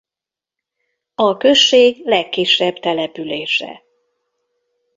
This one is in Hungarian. A község legkisebb települése.